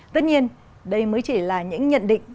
tất nhiên đây mới chỉ là những nhận định